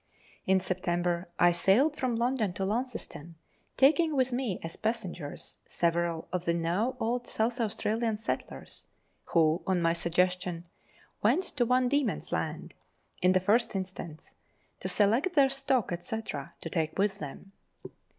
In September I sailed from London for Launceston, taking with me as passengers several of the now old South Australian settlers, who, on my suggestion, went to Van Diemen's Land, in the first instance, to select their stock, &c., to take with them.